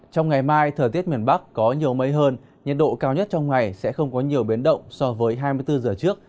trong ngày mai thời tiết miền bắc có nhiều mây hơn nhiệt độ cao nhất trong ngày sẽ không có nhiều biến động so với hai mươi bốn giờ trước